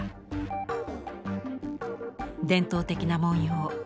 伝統的な文様。